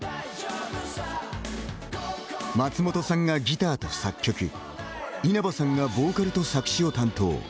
松本さんがギターと作曲稲葉さんがボーカルと作詞を担当。